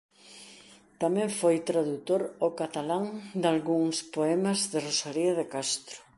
Tamén foi tradutor ao catalán dalgúns poemas de Rosalía de Castro.